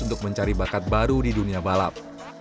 untuk mencari bakat baru di dunia balap